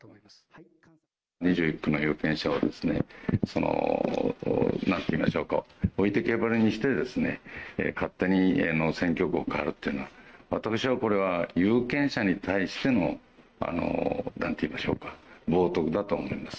２１区の有権者をなんて言いましょうか、置いてけぼりにしてですね、勝手に選挙区を変わるというのは、私はこれは、有権者に対してのなんて言いましょうか、冒とくだと思います。